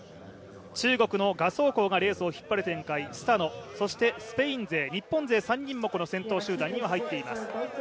中国の賀相紅がレースを引っ張る展開、スタノそしてスペイン勢、日本勢３人もこの先頭集団には入っています。